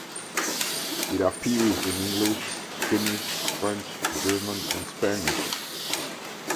It appears in English, Finnish, French, German and Spanish.